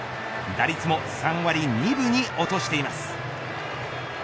打率も３割２分に落としています。